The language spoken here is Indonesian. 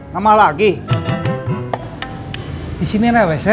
sama lagi di sini